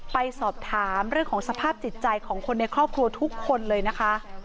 ไปสอบถามเรื่องของสภาพจิตใจของคนในครอบครัวทุกคนเลยนะคะ